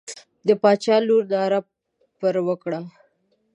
د باچا لور ناره پر وکړه.